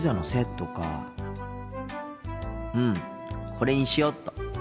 これにしよっと。